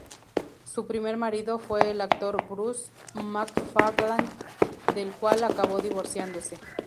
Su primer marido fue el actor Bruce MacFarlane, del cual acabó divorciándose.